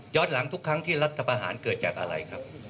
หลังทุกครั้งที่รัฐประหารเกิดจากอะไรครับ